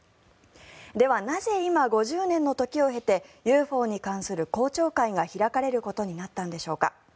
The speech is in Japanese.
ではなぜ今、５０年の時を経てＵＦＯに関する公聴会が開かれることになったんでしょうか。